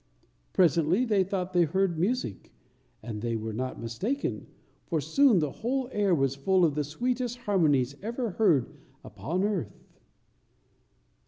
Presently they thought they heard music, and they were not mistaken, for soon the whole air was full of the sweetest harmonies ever heard upon earth.